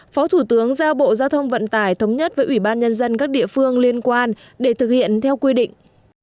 phó thủ tướng giao bộ giao thông vận tải thống nhất với ủy ban nhân dân các địa phương liên quan để thực hiện theo quy định